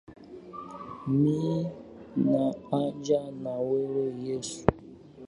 Mi nahaja na wewe Yesu